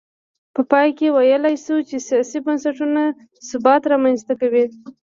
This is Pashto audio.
په پای کې ویلای شو چې سیاسي بنسټونه ثبات رامنځته کوي.